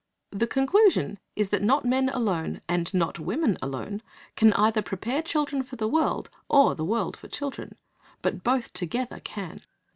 The conclusion is that not men alone, and not women alone, can either prepare children for the world or the world for children. But both together can.